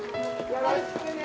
よろしくね。